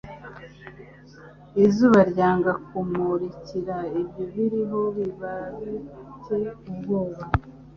Izuba ryanga kumruikira ibyo biriho biba bitcye ubwoba.